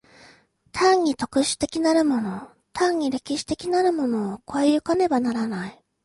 単に特殊的なるもの単に歴史的なるものを越え行かねばならない。